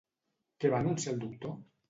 Què va anunciar el doctor?